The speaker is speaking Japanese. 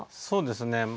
そうですね